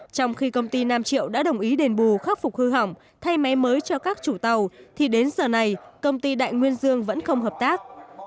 trong khi công ty nam triệu đã đồng ý đền bù khắc phục hư hỏng thay máy mới cho các chủ tàu thì đến giờ này công ty đại nguyên dương vẫn không hợp tác